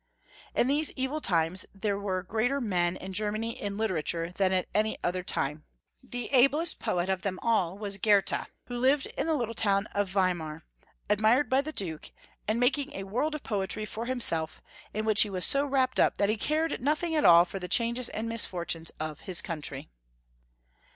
In these evil times there were greater men in Germany in literature than at any other time The ablest poet qf them all w:as Goethe, who lived at the little town of Weimar, admired by the Duke, and making a world of poetry for himself, in which he was so wrapped up that he cared nothing at all for the changes and misfortunes of his coimtry.